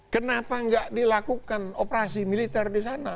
kenapa tidak dilakukan operasi militer di sana